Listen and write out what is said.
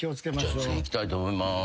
じゃあ次いきたいと思います。